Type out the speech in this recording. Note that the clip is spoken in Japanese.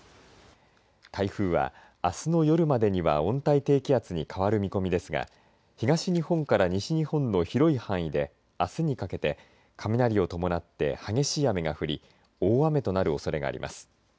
台風はあすの夜までには温帯低気圧に変わる見込みですが東日本から西日本の広い範囲であすにかけて雷を伴って激しい雨が降り大雨となるおそれがあります。